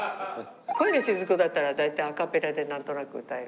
『恋のしずく』だったら大体アカペラでなんとなく歌える。